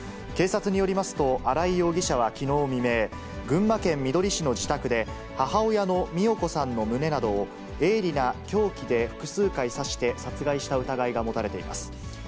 警察によりますと、新井容疑者はきのう未明、群馬県みどり市の自宅で、母親の美代子さんの胸などを鋭利な凶器で複数回刺して、殺害した疑いが持たれています。